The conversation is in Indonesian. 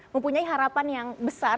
mempunyai harapan yang besar